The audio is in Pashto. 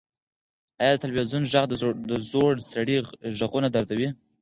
ایا د تلویزیون غږ د زوړ سړي غوږونه دردوي؟